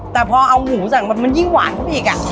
แต่พอเอาหมูสั่งมามันยิ่งหวานกว่าอีกอะ